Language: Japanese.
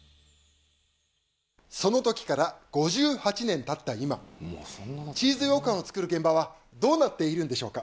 その時から５８年たった今チーズ羊羹を作る現場はどうなっているんでしょうか？